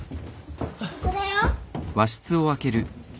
ここだよ。